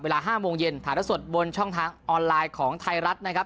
เวลา๕โมงเย็นถ่ายละสดบนช่องทางออนไลน์ของไทยรัฐนะครับ